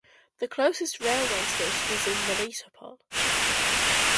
The closest railway station is in Melitopol.